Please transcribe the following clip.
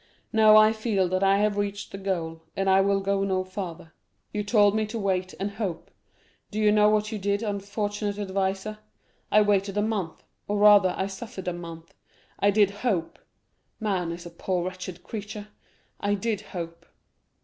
No, I feel that I have reached the goal, and I will go no farther. You told me to wait and hope; do you know what you did, unfortunate adviser? I waited a month, or rather I suffered for a month! I did hope (man is a poor wretched creature), I did hope.